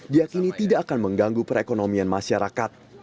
diakini tidak akan mengganggu perekonomian masyarakat